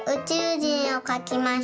じんをかきました。